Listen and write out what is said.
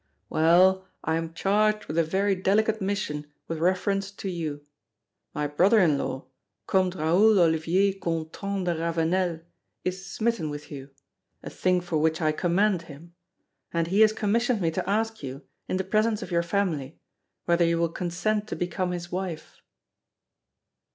Well, I am charged with a very delicate mission with reference to you. My brother in law, Comte Raoul Olivier Gontran de Ravenel, is smitten with you a thing for which I commend him and he has commissioned me to ask you, in the presence of your family, whether you will consent to become his wife."